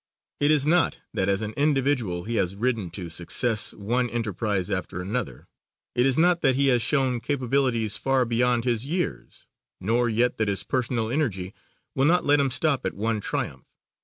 It is not that as an individual he has ridden to success one enterprise after another. It is not that he has shown capabilities far beyond his years, nor yet that his personal energy will not let him stop at one triumph.